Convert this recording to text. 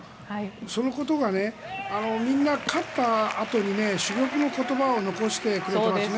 そのことがみんな、勝ったあとに珠玉の言葉を残してくれたんですね。